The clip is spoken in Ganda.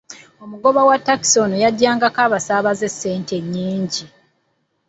Omugoba wa takisi ono yajjangako abasaabaze ssente nyingi.